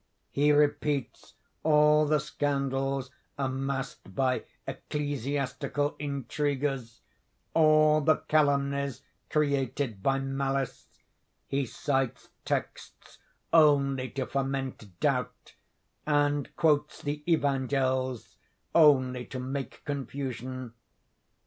He repeats all the scandals amassed by ecclesiastical intriguers, all the calumnies created by malice; he cites texts only to foment doubt, and quotes the evangels only to make confusion.